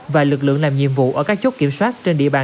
và lực lượng làm nhiệm vụ ở các chốt kiểm soát